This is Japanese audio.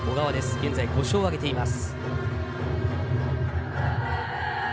現在５勝を挙げています。